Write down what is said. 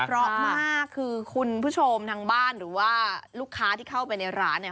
เพราะมากคือคุณผู้ชมทางบ้านหรือว่าลูกค้าที่เข้าไปในร้านเนี่ย